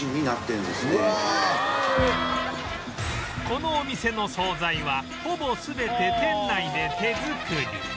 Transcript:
このお店の惣菜はほぼ全て店内で手作り